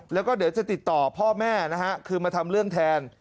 แล้วก็เดี๋ยวจะติดต่อพ่อแม่นะฮะคือมาทำเรื่องแทน